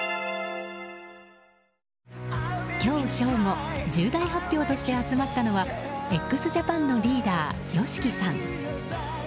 今日正午重大発表として集まったのはＸＪＡＰＡＮのリーダーＹＯＳＨＩＫＩさん。